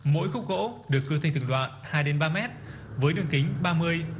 mỗi khúc gỗ được cư thành thường đoạn hai ba mét với đường kính ba mươi bốn mươi cm nằm ngổn ngang